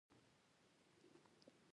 د افغانستان کرهڼه پخوانی تاریخ لري .